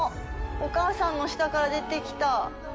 お母さんの下から出てきた。